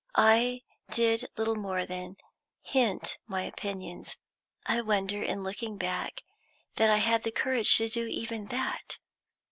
I did little more than hint my opinions; I wonder, in looking back, that I had the courage to do even that.